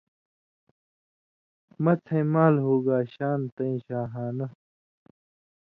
مڅھئیں مال ہوگا شان تئیں شاہانہ